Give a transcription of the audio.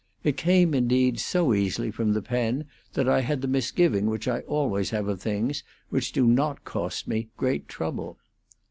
It came, indeed, so easily from the pen that I had the misgiving which I always have of things which do not cost me great trouble.